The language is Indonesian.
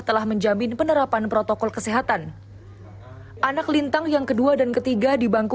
telah menjamin penerapan protokol kesehatan anak lintang yang kedua dan ketiga di bangku